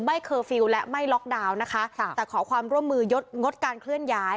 เคอร์ฟิลล์และไม่ล็อกดาวน์นะคะแต่ขอความร่วมมือยดงดการเคลื่อนย้าย